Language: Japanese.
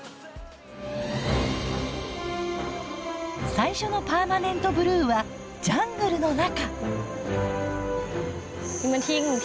最初のパーマネントブルーはジャングルの中！